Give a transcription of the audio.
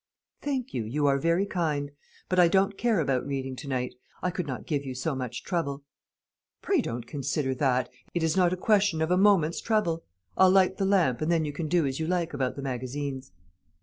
"Thank you, you are very kind; but I don't care about reading to night; I could not give you so much trouble." "Pray don't consider that. It is not a question of a moment's trouble. I'll light the lamp, and then you can do as you like about the magazines."